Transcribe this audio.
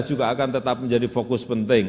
juga akan tetap menjadi fokus penting